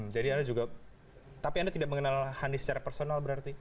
jadi anda juga tapi anda tidak mengenal hani secara personal berarti